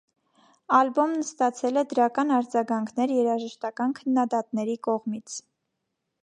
Ալբոմն ստացել է դրական արձագանքներ երաժշտական քննադատների կողմից։